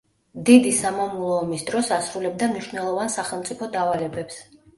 დიდი სამამულო ომის დროს ასრულებდა მნიშვნელოვან სახელმწიფო დავალებებს.